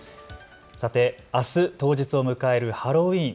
さて、あす当日を迎えるハロウィーン。